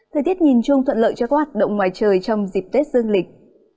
thời tiết nhìn chung thuận lợi cho các hoạt động ngoài trời trong dịp tết dương lịch